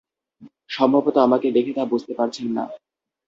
সম্ভবত আমাকে দেখে তা বুঝতে পারছেন না।